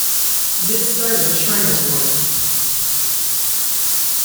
This started the Shiners' War.